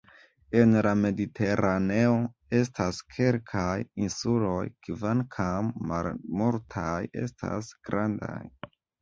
En la Mediteraneo estas kelkaj insuloj kvankam malmultaj estas grandaj.